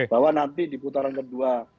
bahwa nanti di putaran kedua